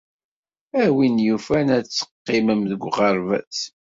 A win yufan ad teqqimem deg uɣerbaz.